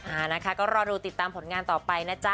อ่านะคะก็รอดูติดตามผลงานต่อไปนะจ๊ะ